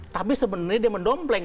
tapi sebenarnya dia mendompleng